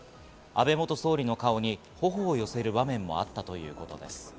安倍元総理の顔に頬を寄せる場面もあったということです。